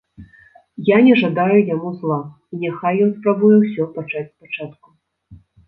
Я не жадаю яму зла, і няхай ён спрабуе ўсё пачаць спачатку.